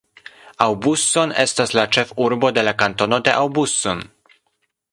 Aubusson estas la ĉefurbo de la kantono de Aubusson.